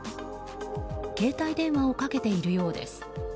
携帯電話をかけているようです。